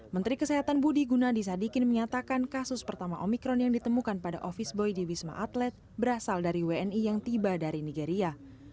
menteri kesehatan budi gunadisadikin menyatakan kasus pertama omikron yang ditemukan pada office boy di wisma atlet berasal dari wni yang tiba dari nigeria